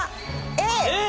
Ａ！